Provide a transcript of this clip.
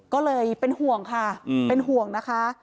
ก็เลยเป็นห่วงค่ะเป็นห่วงนะคะ